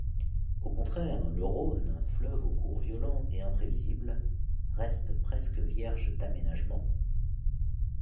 Au contraire, le Rhône, fleuve au cours violent et imprévisible, reste presque vierge d'aménagements.